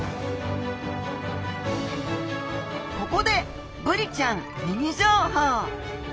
ここでブリちゃんミニ情報！